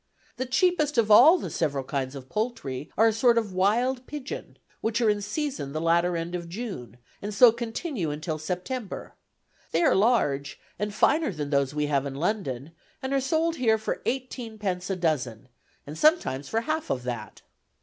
The cheapest of all the several kinds of poultry are a sort of wild pigeon, which are in season the latter end of June, and so continue until September. They are large, and finer than those we have in London, and are sold here for eighteenpence a dozen, and sometimes for half of that.